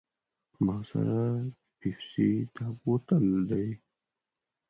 ما سره د پیپسي دا بوتل دی.